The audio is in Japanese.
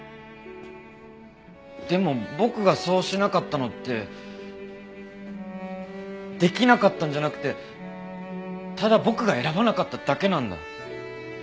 でも僕がそうしなかったのってできなかったんじゃなくてただ僕が選ばなかっただけなんだ。